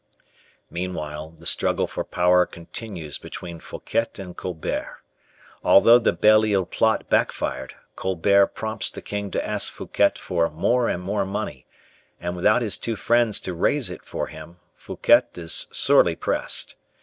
Meanwhile, the struggle for power continues between Fouquet and Colbert. Although the Belle Isle plot backfired, Colbert prompts the king to ask Fouquet for more and more money, and without his two friends to raise it for him, Fouquet is sorely pressed.